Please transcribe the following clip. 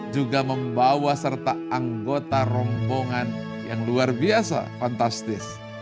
juga membawa serta anggota rombongan yang luar biasa fantastis